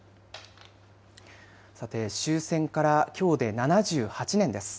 さて、終戦からきょうで７８年です。